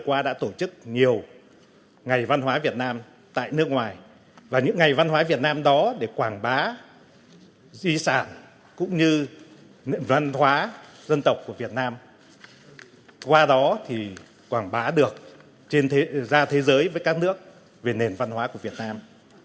qua đó thì quảng bá được ra thế giới với các nước về nền văn hóa của việt nam